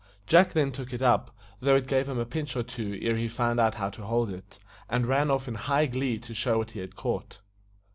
Jack then took it up, though it gave him a pinch or two ere he found out how to hold it, and ran off in high glee to show what he had caught.